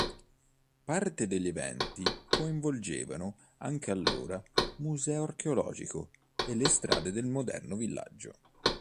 Parte degli eventi coinvolgevano anche l’allora Museo Archeologico e le strade del moderno villaggio.